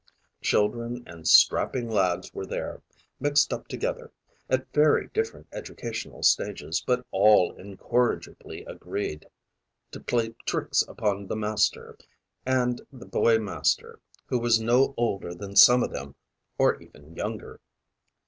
Children and strapping lads were there, mixed up together, at very different educational stages, but all incorrigibly agreed to play tricks upon the master, the boy master who was no older than some of them, or even younger.